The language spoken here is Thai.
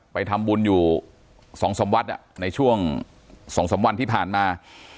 ไปทำบุญอยู่สองสำวัดอ่ะในช่วงสองสำวันที่ผ่านมา